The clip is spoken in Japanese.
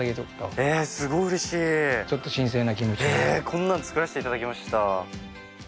えっこんなん作らせていただきました。